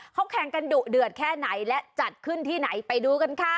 เขาแข่งกันดุเดือดแค่ไหนและจัดขึ้นที่ไหนไปดูกันค่ะ